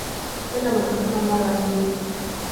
kuenda mahakamani mara mbili